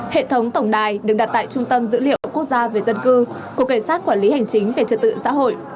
hệ thống tổng đài được đặt tại trung tâm dữ liệu quốc gia về dân cư của cảnh sát quản lý hành chính về trật tự xã hội